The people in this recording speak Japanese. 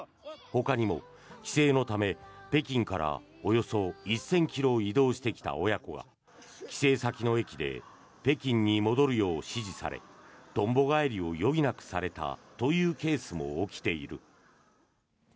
ほかにも帰省のため北京からおよそ１０００ｋｍ移動してきた親子は帰省先の駅で北京に戻るよう指示されとんぼ返りを余儀なくされたというケースも起きている。